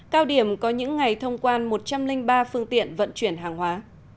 cao điểm có những ngày thông quan một trăm linh ba phương tiện vận chuyển hàng hóa